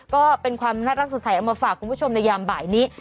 ก็เป็นความน่ารักสดใสเอามาฝากคุณผู้ชมในยามบ่ายนี้